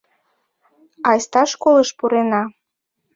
Айста школыш пурена!